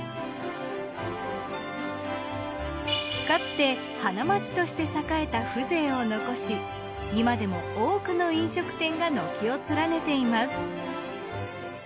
かつて花街として栄えた風情を残し今でも多くの飲食店が軒を連ねています。